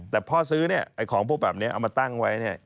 แต่พ่อซื้อเนี่ยไอ้ของพวกแบบนี้เอามาตั้งไว้เนี่ย